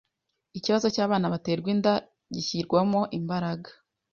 ikibazo cy'abana baterwa inda gishyirwemo imbaraga